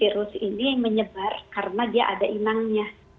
virus ini menyebar karena dia ada inangnya